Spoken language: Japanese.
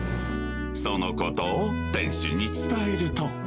そのことを店主に伝えると。